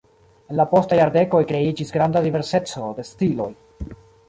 En la postaj jardekoj kreiĝis granda diverseco de stiloj.